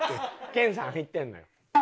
研さん入ってるのよ。